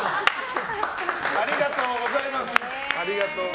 ありがとうございます。